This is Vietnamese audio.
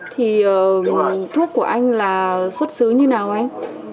thì thuốc của anh là xuất xứ như nào anh